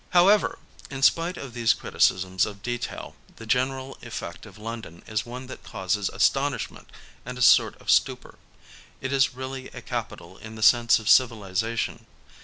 However, in spite of these criticisms of detail, the gen eral effect of London is one that causes astonishment and a sort of stupor. It is really a capital in the sense of civiliza tion.